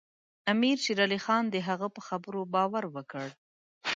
امیر شېر علي خان د هغه په خبرو باور وکړ.